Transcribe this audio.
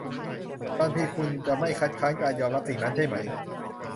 บางทีคุณจะไม่คัดค้านการยอมรับสิ่งนั้นใช่มั้ย